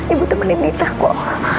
ibu temenin dita kok